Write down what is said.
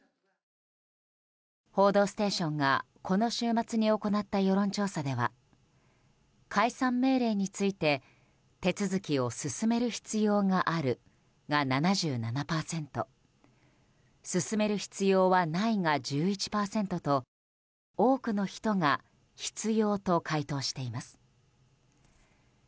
「報道ステーション」がこの週末に行った世論調査では解散命令について、手続きを進める必要があるが７７％。進める必要はないが１１％と多くの人が必要と回答しています。